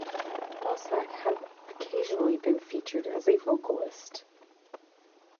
Balsac has occasionally been featured as a vocalist.